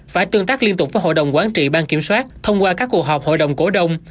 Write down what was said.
phải tương tác liên tục với hội đồng quán trị ban kiểm soát thông qua các cuộc họp hội đồng cổ đông